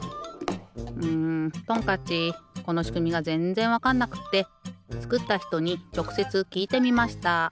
んトンカッチこのしくみがぜんぜんわかんなくってつくったひとにちょくせつきいてみました。